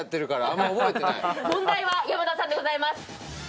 問題は山田さんでございます。